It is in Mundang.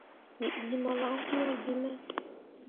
Wǝ ɗii malan wũũ gime.